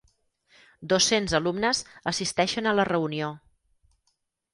Dos-cents alumnes assisteixen a la reunió.